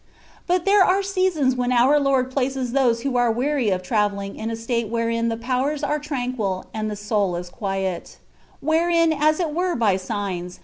But there are seasons when our Lord places those who are weary of travelling in a state wherein the powers are tranquil, and the soul is quiet ; wherein, as it were by signs.